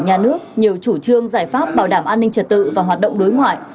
nhà nước nhiều chủ trương giải pháp bảo đảm an ninh trật tự và hoạt động đối ngoại